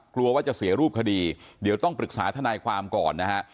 กลัวว่าจะเสียรูปคดีเดี๋ยวต้องปรึกษาทนายความก่อนนะฮะ